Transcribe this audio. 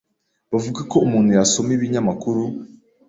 bavuga ko umuntu yasoma ibinyamakuru